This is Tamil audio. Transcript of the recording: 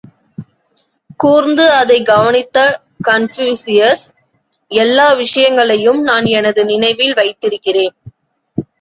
கூர்ந்து அதைக் கவனித்த கன்பூசியஸ், எல்லா விஷயங்களையும் நான் எனது நினைவில் வைத்திருக்கிறேன்.